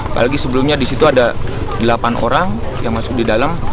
apalagi sebelumnya di situ ada delapan orang yang masuk di dalam